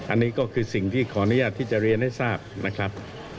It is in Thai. อันนี้ก็คือสิ่งที่ขออนุญาตที่จะเรียนให้ทราบนะครับ